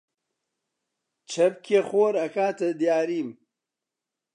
چەپکێ خۆر ئەکاتە دیاریم!